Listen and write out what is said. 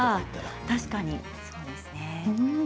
確かにそうですね。